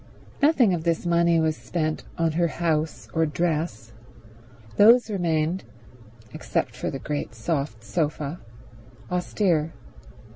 Nothing of this money was spent on her house or dress; those remained, except for the great soft sofa, austere.